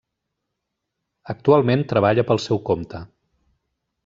Actualment treballa pel seu compte.